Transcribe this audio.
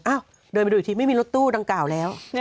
อ้าวเดินมาดูอีกทีไม่มีรถตู้ดางเก่าแล้ว